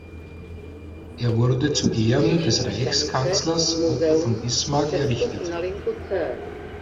Er wurde zu Ehren des Reichskanzlers Otto von Bismarck errichtet.